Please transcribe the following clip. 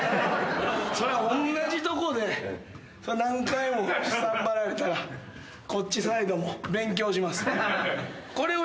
そりゃおんなじとこで何回もスタンバられたらこっちサイドも勉強します。